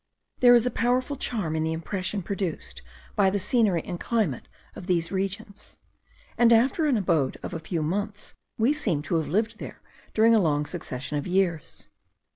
There is a powerful charm in the impression produced by the scenery and climate of these regions; and after an abode of a few months we seemed to have lived there during a long succession of years.